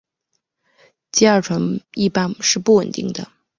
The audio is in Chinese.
偕二醇一般是不稳定的。